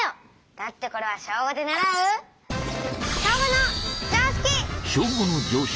だってこれは小５で習う天の声「小５の常識」。